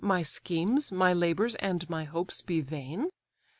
My schemes, my labours, and my hopes be vain?